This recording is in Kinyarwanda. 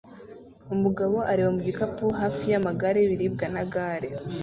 Umugabo areba mu gikapu hafi yamagare y'ibiribwa na gare